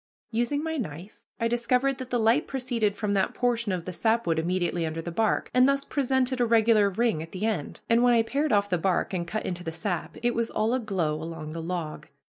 Using my knife, I discovered that the light proceeded from that portion of the sapwood immediately under the bark, and thus presented a regular ring at the end, and when I pared off the bark and cut into the sap, it was all aglow along the log.